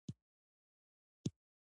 دوی له هند څخه باج اخیست